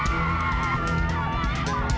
gimana dari aku